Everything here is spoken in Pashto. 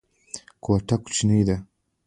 کوټه کوچنۍ ده.